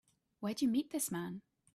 Where'd you meet this man?